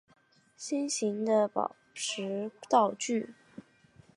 心形的宝石道具。